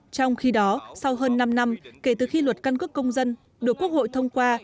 trong khi đó sau hơn năm năm kể từ khi luật căn cước công dân được quốc hội thông qua